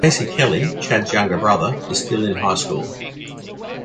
Casey Kelly, Chad's younger brother, is still in high school.